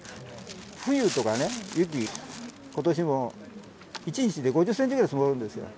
冬とかね、雪、ことしも１日で５０センチぐらい積もるんですよ。